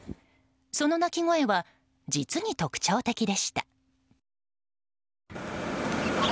その鳴き声は実に特徴的でした。